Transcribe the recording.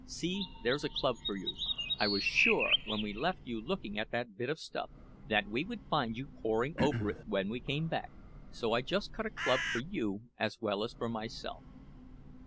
See, there's a club for you. I was sure, when we left you looking at that bit of stuff, that we would find you poring over it when we came back, so I just cut a club for you as well as for myself."